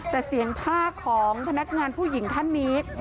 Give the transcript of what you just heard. แต่เสียงภาคของพนักงานผู้หญิงท่านนี้